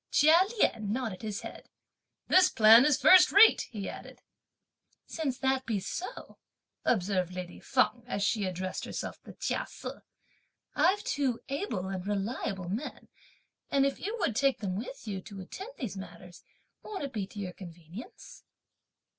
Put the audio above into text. Chia Lien nodded his head. "This plan is first rate!" he added. "Since that be so," observed lady Feng, as she addressed herself to Chia Se, "I've two able and reliable men; and if you would take them with you, to attend to these matters, won't it be to your convenience?"